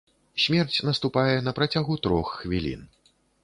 Смерць наступае на працягу трох хвілін.